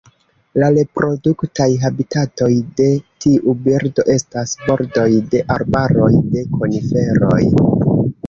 La reproduktaj habitatoj de tiu birdo estas bordoj de arbaroj de koniferoj.